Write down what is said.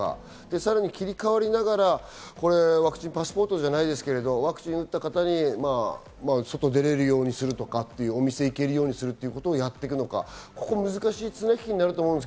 さらに切り替わりながら、ワクチンパスポートじゃないですけど、ワクチンを打った方に外に出られるようにするとかっていう、お店に行けるようにするとかっていうことをやっていくのか難しい綱引きになると思います。